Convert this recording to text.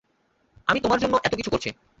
আমি তোমার জন্য এত কিছু করছি।